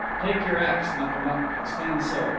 "Take your axe, Makamuk, and stand so.